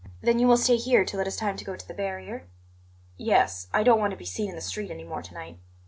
"Then you will stay here till it is time to go to the barrier?" "Yes; I don't want to be seen in the street any more to night.